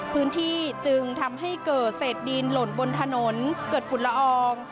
พื้นที่จึงทำให้เกิดเศษดินหล่นบนถนนเกิดฝุ่นละออง